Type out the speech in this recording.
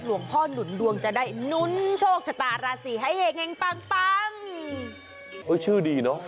หลวงพ่อหนุนดวงจะได้หนุนโชคชะตาราศีให้เห็งแห่งปังปังเฮ้ยชื่อดีเนอะ